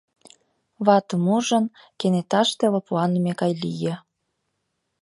Ватым ужын, кенеташте лыпланыме гай лие.